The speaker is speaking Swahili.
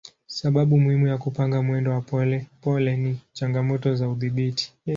Sababu muhimu ya kupanga mwendo wa polepole ni changamoto za udhibiti.